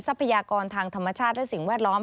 ทรัพยากรทางธรรมชาติและสิ่งแวดล้อม